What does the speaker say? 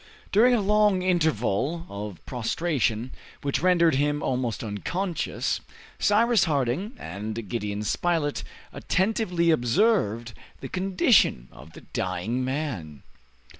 During a long interval of prostration, which rendered him almost unconscious, Cyrus Harding and Gideon Spilett attentively observed the condition of the dying man.